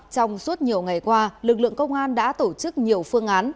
trong suốt nhiều ngày qua lực lượng công an đã tổ chức nhiều phương án